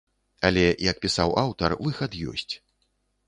Але, як пісаў аўтар, выхад ёсць.